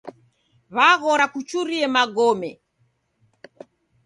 W'aghora kuchurie magome.